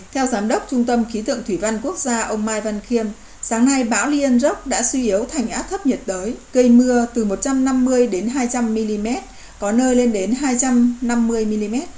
theo giám đốc trung tâm khí tượng thủy văn quốc gia ông mai văn khiêm sáng nay bão leon droc đã suy yếu thành áp thấp nhiệt đới cây mưa từ một trăm năm mươi đến hai trăm linh mm có nơi lên đến hai trăm năm mươi mm